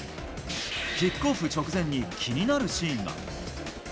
キックオフ直前に気になるシーンが。